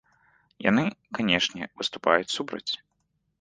Яны, канешне, выступаюць супраць.